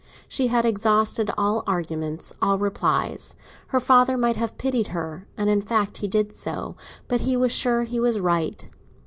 She had exhausted all arguments, all replies. Her father might have pitied her, and in fact he did so; but he was sure he was right.